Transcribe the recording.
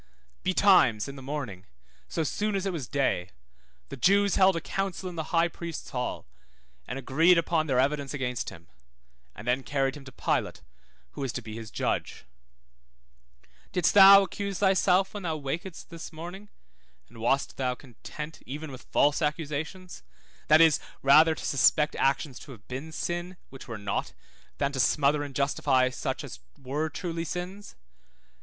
Betimes, in the morning, so soon as it was day, the Jews held a council in the high priest's hall, and agreed upon their evidence against him, and then carried him to Pilate, who was to be his judge; didst thou accuse thyself when thou wakedst this morning, and wast thou content even with false accusations, that is, rather to suspect actions to have been sin, which were not, than to smother and justify such as were truly sins?